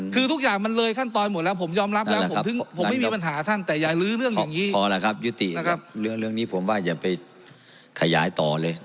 พอแล้วครับยุติเรื่องนี้ผมว่าจะไปขยายต่อเลย